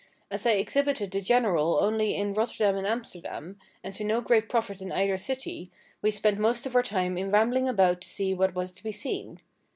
As I exhibited the General only in Rotterdam and Amsterdam, and to no great profit in either city, we spent most of our time in rambling about to see what was to be seen.